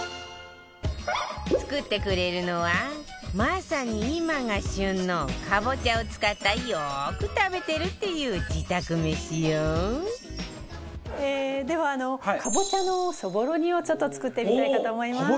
作ってくれるのはまさに今が旬のカボチャを使ったよく食べてるっていう自宅めしよではカボチャのそぼろ煮をちょっと作ってみたいかと思います。